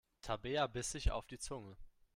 Tabea biss sich auf die Zunge.